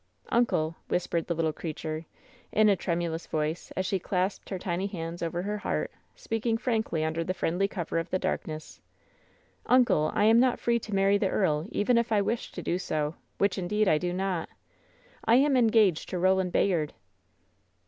"Uncle," whispered the little creature, in a tremulous voice, as she clasped her tiny hands over her heart, speaking frankly under the friendly cover of the dark ness — "uncle, I am not free to marry the earl, even if I wished to do so, which, indeed, I do not. I am en gaged to Roland Bayard!"